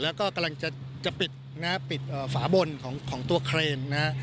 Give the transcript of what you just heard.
แล้วก็กำลังจะปิดฝาบนของตัวเครน